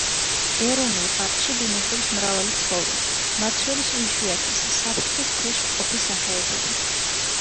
ეროვნულ პარკში ბინადრობს მრავალი ცხოველი, მათ შორის უიშვიათესი, საფრთხის ქვეშ მყოფი სახეობები.